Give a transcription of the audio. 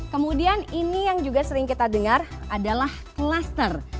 kemudian ini yang juga sering kita dengar adalah cluster